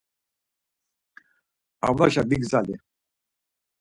Avlaşa vigzali.